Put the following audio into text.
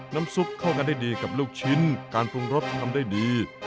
น้ำซุปเข้ากันได้ดีกับลูกชิ้นการปรุงรสทำได้ดี